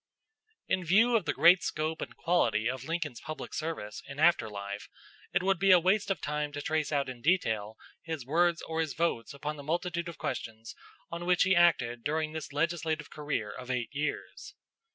In view of the great scope and quality of Lincoln's public service in after life, it would be a waste of time to trace out in detail his words or his votes upon the multitude of questions on which he acted during this legislative career of eight years.